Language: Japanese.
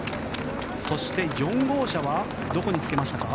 そして４号車はどこにつけましたか？